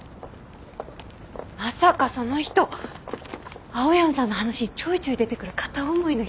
まさかその人青山さんの話にちょいちょい出てくる片思いの人？